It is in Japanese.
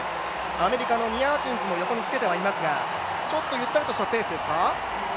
アメリカのニア・アキンズも横につけてはいますが、ちょっとゆったりとしたペースですか。